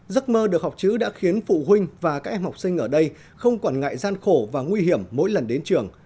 giấc mơ được học chữ đã khiến phụ huynh và các em học sinh ở đây không quản ngại gian khổ và nguy hiểm mỗi lần đến trường